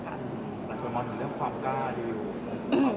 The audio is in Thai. แต่ความว่าถึงเรื่องความกล้าดิว